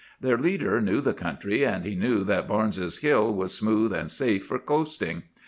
Their leader knew the country, and he knew that Barnes's Hill was smooth and safe for 'coasting.